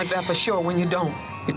anda harus tahu sesuatu seperti itu jika tidak